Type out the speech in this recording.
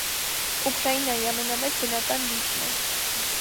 Ուկրաինայի ամենամեծ բնական լիճն է։